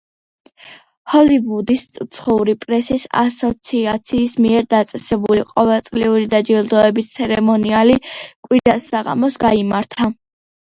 ჰოლივუდის უცხოური პრესის ასოციაციის მიერ დაწესებული ყოველწლიური დაჯილდოების ცერემონიალი კვირას საღამოს გაიმართა.